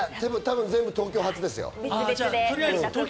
全部、東京発ですよ。